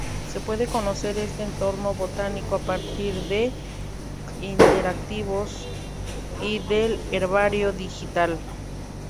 Se puede conocer este entorno botánico a partir de interactivos y del herbario digital.